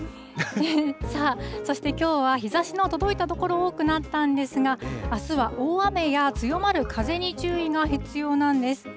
さあ、そしてきょうは日ざしの届いた所、多くなったんですが、あすは大雨や強まる風に注意が必要なんです。